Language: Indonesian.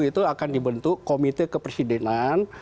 itu akan dibentuk komite kepresidenan